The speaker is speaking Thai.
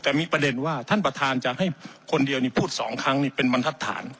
แต่มีประเด็นว่าท่านประธานจะให้คนเดียวนี่พูดสองครั้งนี่เป็นบรรทัศน